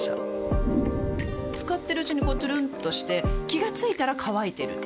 使ってるうちにこうトゥルンとして気が付いたら乾いてる